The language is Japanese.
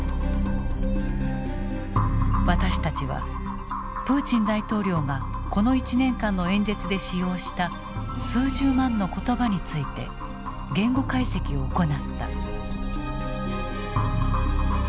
私たちはプーチン大統領がこの１年間の演説で使用した数十万の言葉について言語解析を行った。